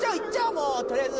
もうとりあえず。